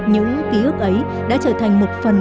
những ký ức ấy đã trở thành một phần